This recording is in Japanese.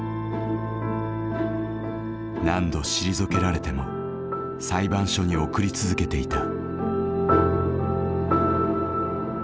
何度退けられても裁判所に送り続けていた。